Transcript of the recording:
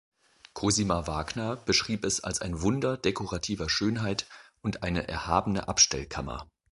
Cosima Wagner beschrieb es als ein Wunder dekorativer Schönheit und eine erhabene Abstellkammer.